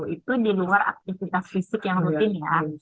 itu di luar aktivitas fisik yang rutin ya